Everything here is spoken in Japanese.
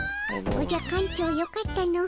おじゃ館長よかったの。